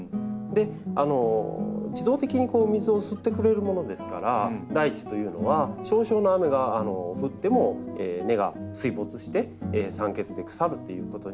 自動的に水を吸ってくれるものですから大地というのは少々の雨が降っても根が水没して酸欠で腐るということにはなりにくいんですね。